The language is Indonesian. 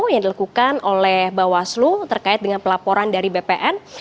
yang dilakukan oleh bawaslu terkait dengan pelaporan dari bpn